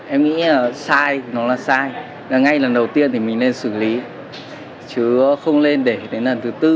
em nghĩ là sai nó là sai ngay lần đầu tiên thì mình nên xử lý chứ không lên để đến lần thứ tư